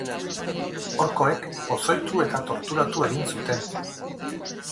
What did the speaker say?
Orkoek pozoitu eta torturatu egin zuten.